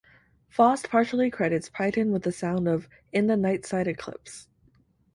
Faust partially credits Pytten with the sound of "In the Nightside Eclipse".